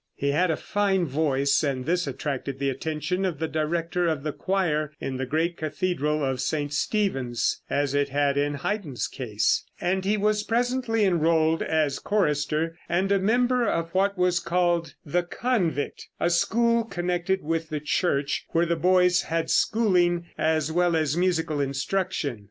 He had a fine voice, and this attracted the attention of the director of the choir in the great Cathedral of St. Stephen's, as it had in Haydn's case, and he was presently enrolled as chorister and a member of what was called the "Convict," a school connected with the church, where the boys had schooling as well as musical instruction.